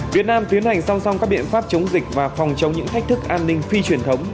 việt nam tiến hành song song các biện pháp chống dịch và phòng chống những thách thức an ninh phi truyền thống